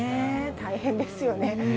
大変ですよね。